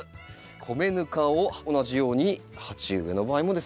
米ぬかを同じように鉢植えの場合もですね